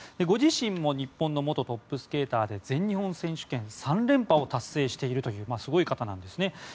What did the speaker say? ご自身も日本の元トップスケーターで全日本選手権３連覇を達成しているというすごい方なんですね。